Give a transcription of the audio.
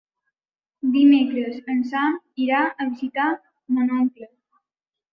Dimecres en Sam irà a visitar mon oncle.